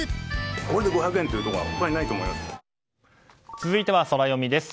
続いては、ソラよみです。